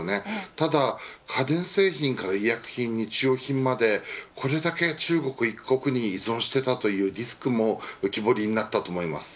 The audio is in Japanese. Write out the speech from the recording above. ただ家電製品から医薬品、日用品までこれだけ中国１国に依存していたというリスクも浮き彫りになったと思います。